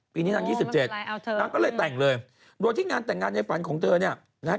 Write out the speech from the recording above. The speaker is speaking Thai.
ปีนี้นาง๒๗นางก็เลยแต่งเลยโดยที่งานแต่งงานในฝันของเธอเนี่ยนะฮะ